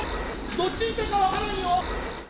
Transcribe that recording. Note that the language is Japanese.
どっちに行ったか分からんよ。